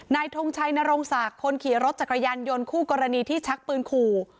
ทงชัยนรงศักดิ์คนขี่รถจักรยานยนต์คู่กรณีที่ชักปืนขู่